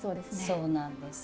そうなんどす。